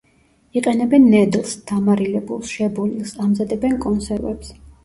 იყენებენ ნედლს, დამარილებულს, შებოლილს, ამზადებენ კონსერვებს.